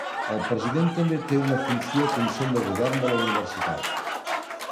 El president també té una funció al Consell de govern de la universitat.